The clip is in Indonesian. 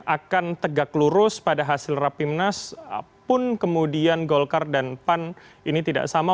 akan tegak lurus pada hasil rapimnas pun kemudian golkar dan pan ini tidak sama